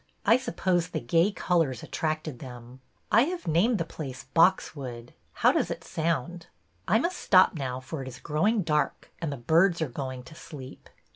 I suppose the gay colors attracted them. I have named the place '' Box wood." How does it sound? I must stop now, for it is growing dark, and the birds are going to sleep.